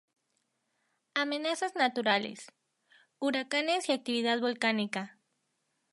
Amenazas naturales: Huracanes y actividad volcánica.